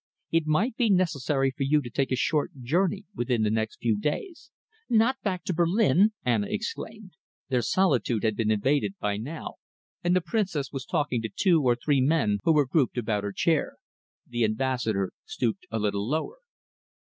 It might be necessary for you to take a short journey within the next few days." "Not back to Berlin?" Anna exclaimed. Their solitude had been invaded by now, and the Princess was talking to two or three men who were grouped about her chair. The Ambassador stooped a little lower.